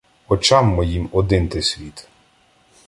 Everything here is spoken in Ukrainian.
Очам моїм один ти світ!